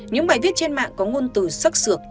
những bài viết trên mạng có ngôn từ sắc sược